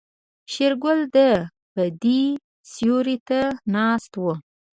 شېرګل د بيدې سيوري ته ناست و.